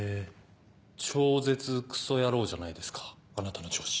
超絶クソ野郎じゃないですかあなたの上司。